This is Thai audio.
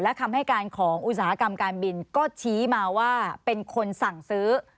และคำให้การของอุตสาหกรรมการบินก็ชี้มาว่าเป็นคนสั่งซื้อ